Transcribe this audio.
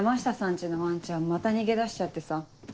家のワンちゃんまた逃げ出しちゃってさ。